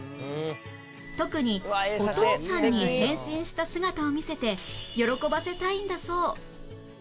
特にお父さんに変身した姿を見せて喜ばせたいんだそう